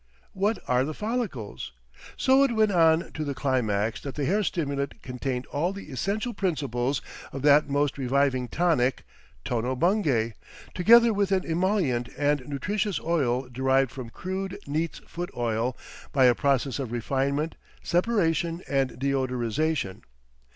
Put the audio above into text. What are the follicles?..." So it went on to the climax that the Hair Stimulant contained all "The essential principles of that most reviving tonic, Tono Bungay, together with an emollient and nutritious oil derived from crude Neat's Foot Oil by a process of refinement, separation and deodorization....